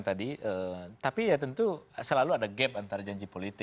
jadi itu sangat jelas